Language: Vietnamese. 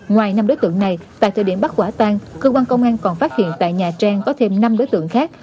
ngoài năm đối tượng này tại thời điểm bắt quả tang cơ quan công an còn phát hiện tại nhà trang có thêm năm đối tượng khác